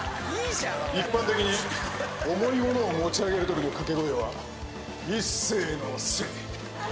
一般的に重いものを持ち上げる時の掛け声は「いっせーのーせ」。